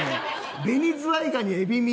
ベニズワイガニエビミ。